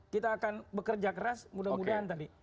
kita akan bekerja keras mudah mudahan tadi